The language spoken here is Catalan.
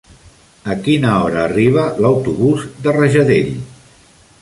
A quina hora arriba l'autobús de Rajadell?